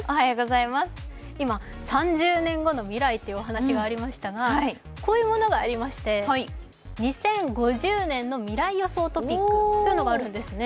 今、３０年後の未来というお話がありましたがこういうものがありまして、２０５０年の未来予想トピックというのがあるんですね。